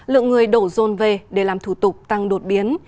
lượng người đổ rồn về để làm thủ tục tăng đột biến